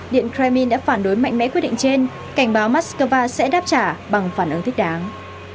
điện kremlin đã phản đối mạnh mẽ quyết định trên cảnh báo moscow sẽ đáp trả bằng phản ứng thích đáng